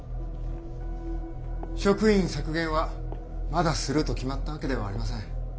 職員削減はまだすると決まったわけではありません。